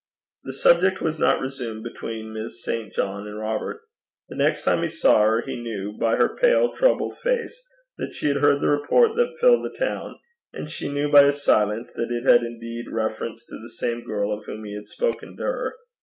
The subject was not resumed between Miss St. John and Robert. The next time he saw her, he knew by her pale troubled face that she had heard the report that filled the town; and she knew by his silence that it had indeed reference to the same girl of whom he had spoken to her.